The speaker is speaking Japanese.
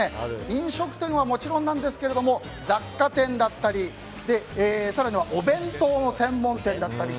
飲食店はもちろんですが雑貨店だったり更にはお弁当の専門店だったり